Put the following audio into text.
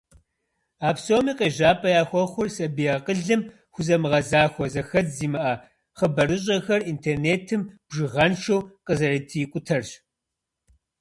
А псоми къежьапӀэ яхуэхъур сабий акъылым хузэмыгъэзахуэ, зэхэдз зимыӀэ хъыбарыщӀэхэр интернетым бжыгъэншэу къазэрытрикӀутэрщ.